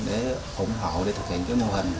để ủng hộ để thực hiện cái mô hình